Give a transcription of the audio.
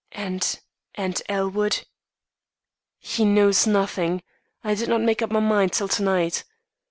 'And and Elwood?' 'He knows nothing. I did not make up my mind till to night.